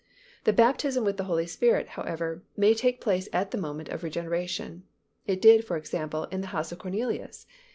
The baptism with the Holy Spirit, however, may take place at the moment of regeneration. It did, for example, in the household of Cornelius.